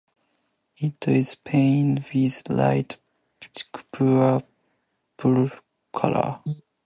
It is painted with light purple color.